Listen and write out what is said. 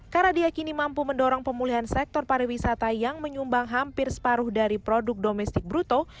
karena diakini mampu mendorong pemulihan sektor pariwisata yang menyumbang hampir separuh dari produk domestik bruto